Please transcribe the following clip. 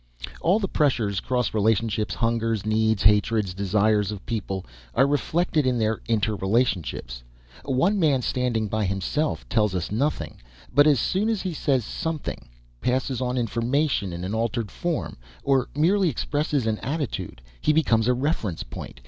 "All the pressures, cross relationships, hungers, needs, hatreds, desires of people are reflected in their interrelationships. One man standing by himself tells us nothing. But as soon as he says something, passes on information in an altered form, or merely expresses an attitude he becomes a reference point.